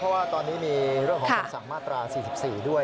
เพราะว่าตอนนี้มีเรื่องของคำสั่งมาตรา๔๔ด้วย